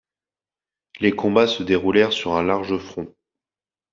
Les combats se déroulèrent sur un large front.